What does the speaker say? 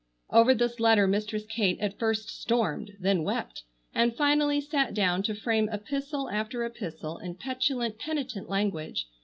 Over this letter Mistress Kate at first stormed, then wept, and finally sat down to frame epistle after epistle in petulant, penitent language.